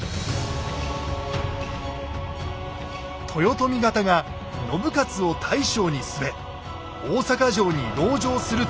豊臣方が信雄を大将に据え大坂城に籠城するというのです。